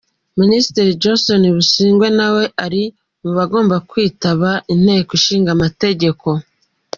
Minisitiri Jonston Busingye nawe ari mubagomba kwitaba Inteko Ishinga amateko .